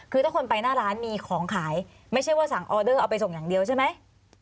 คือถ้าคนไปหน้าร้านมีของขายไม่ใช่ว่าสั่งออเดอร์เอาไปส่งอย่างเดียวใช่ไหม